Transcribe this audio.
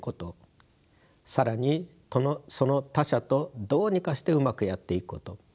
更にその他者とどうにかしてうまくやっていくこと。